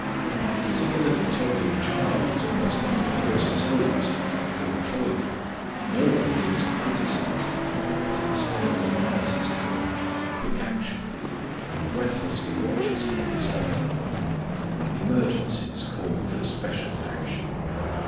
But if a little toddling child is almost under the horse's hoofs, or the trolley car, no one thinks of criticising, but instead admires his courage, and quick action, and breathlessly watches for the result. Emergencies call for special action.